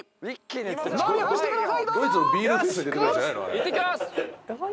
いってきます！